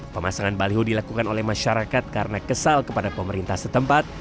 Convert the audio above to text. pemasangan baliho dilakukan oleh masyarakat karena kesal kepada pemerintah setempat